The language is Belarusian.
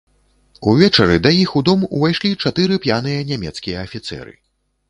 Увечары да іх у дом увайшлі чатыры п'яныя нямецкія афіцэры.